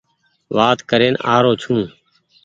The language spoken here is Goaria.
وآت ڪرين آ رو ڇون ۔